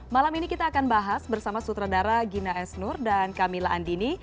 malam ini kita akan bahas bersama sutradara gina esnur dan camilla andini